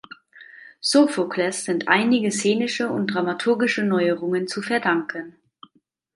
Sophokles sind einige szenische und dramaturgische Neuerungen zu verdanken.